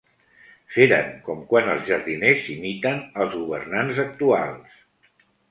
Feren com quan els jardiners imiten els governants actuals.